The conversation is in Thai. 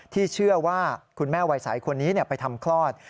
ที่เชื่อว่าคุณแม่วัยใสคนนี้ไปทำคลอด